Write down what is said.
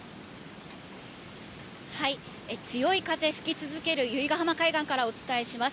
強い風、吹き続ける由比ガ浜海岸からお伝えします。